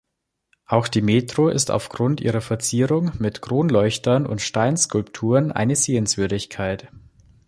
Auch die Metro ist aufgrund ihrer Verzierung mit Kronleuchtern und Steinskulpturen eine Sehenswürdigkeit.